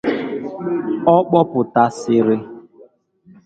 Ọ kpọpụtasịrị